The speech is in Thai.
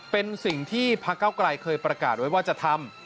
เป็นสิ่งที่พระเก้าไกลเคยประกาศไว้ว่าจะทำ